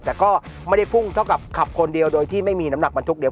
แต่ก็ไม่ได้พุ่งเท่ากับขับคนเดียวโดยที่ไม่มีน้ำหนักบรรทุกเดียว